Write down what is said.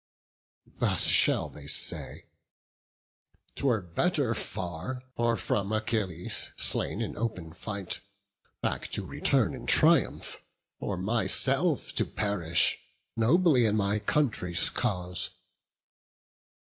Thus shall they say; for me, 'twere better far, Or from Achilles, slain in open fight, Back to return in triumph, or myself To perish nobly in my country's cause.